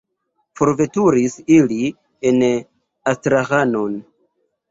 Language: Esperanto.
Forveturis ili en Astraĥanon.